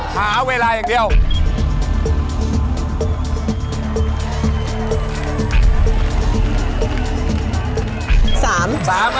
หาเวลาอย่างเดียว